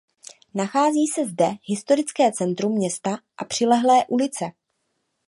Nachází se zde historické centrum města a přilehlé ulice.